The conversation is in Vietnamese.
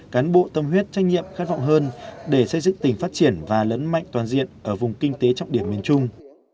cán bộ tâm huyết trách nhiệm khát vọng hơn để xây dựng tỉnh phát triển và lớn mạnh toàn diện ở vùng kinh tế trọng điểm miền trung